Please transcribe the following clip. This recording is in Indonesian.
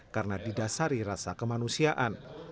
karena didasari rasa kemanusiaan